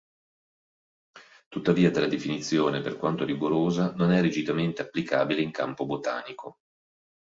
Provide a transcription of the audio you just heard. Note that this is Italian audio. Tuttavia tale definizione, per quanto rigorosa, non è rigidamente applicabile in campo botanico.